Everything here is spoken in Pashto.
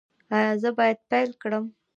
ایا زه باید پیل کړم؟